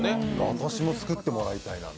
私も作ってもらいたいな。